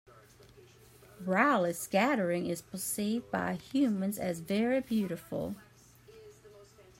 Raleigh scattering is perceived by humans as very beautiful.